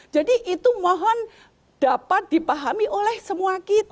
itu mohon dapat dipahami oleh semua kita